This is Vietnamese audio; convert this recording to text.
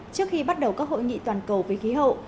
trước khi bắt đầu các hội nghị toàn cầu về khí hậu